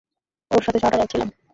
ওর সাথে সারাটা রাত ছিলাম!